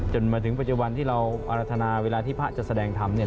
จนถึงปัจจุบันที่เราอรรถนาเวลาที่พระจะแสดงธรรมเนี่ย